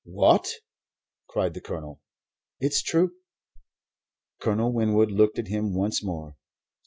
"What?" cried the Colonel. "It's true." Colonel Winwood looked at him once more.